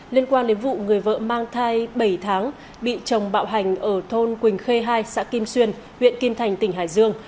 liên quan đến vụ người vợ mang thai bảy tháng bị chồng bạo hành ở thôn quỳnh khê hai xã kim xuyên huyện kim thành tỉnh hải dương